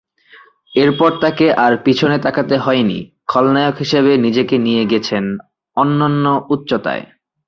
এরপর তাকে আর পেছনে তাকাতে হয়নি, খলনায়ক হিসেবে নিজেকে নিয়ে গেছেন অন্যন্য উচ্চতায়।